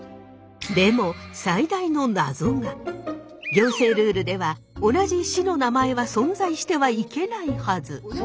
行政ルールでは同じ市の名前は存在してはいけないはず。